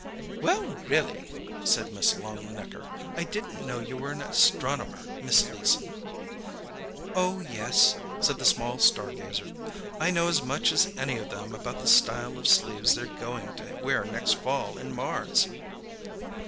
"Well, really!" said Miss Longnecker. "I didn't know you were an astronomer, Miss Leeson." "Oh, yes," said the small star gazer, "I know as much as any of them about the style of sleeves they're going to wear next fall in Mars."